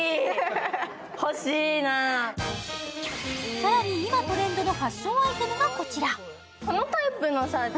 更に、今トレンドのファッションアイテムがこちら。